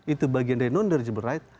itu bagian dari non dergible right